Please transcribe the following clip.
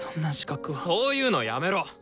そういうのやめろ。